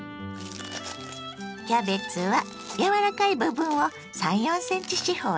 キャベツは柔らかい部分を３４ｃｍ四方にちぎります。